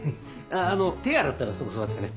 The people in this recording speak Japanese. ああの手洗ったらそこ座ってね。